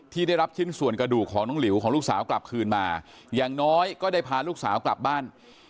ได้รับชิ้นส่วนกระดูกของน้องหลิวของลูกสาวกลับคืนมาอย่างน้อยก็ได้พาลูกสาวกลับบ้าน